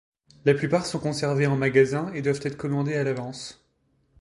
La plupart sont conservés en magasins et doivent être commandés à l'avance.